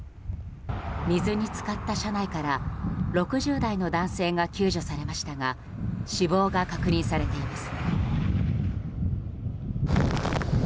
水に浸かった車内から６０代の男性が救助されましたが死亡が確認されています。